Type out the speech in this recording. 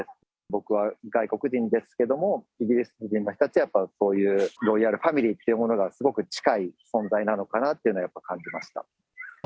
僕は、外国人ですけども、イギリス人の人たちはやっぱりこういうロイヤルファミリーというものが、すごく近い存在なのかっていうのは、やっぱり感じました。